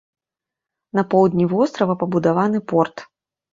На поўдні вострава пабудаваны порт.